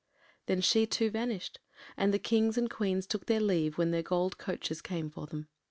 ” Then she too vanished; and the Kings and Queens took their leave when their gold coaches came for them.